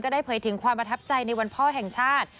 ได้เผยถึงความประทับใจในวันพ่อแห่งชาติ